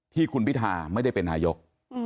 ที่คุณพิธาไม่ได้เป็นนายก